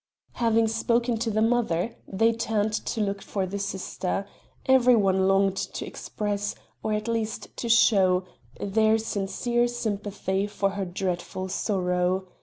Having spoken to the mother, they turned to look for the sister; every one longed to express, or at least to show, their sincere sympathy for her dreadful sorrow.